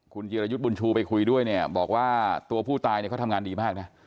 คุณจิรยุทธ์บุญชูไปคุยด้วยเนี่ยบอกว่าตัวผู้ตายเนี่ยเขาทำงานดีมากนะ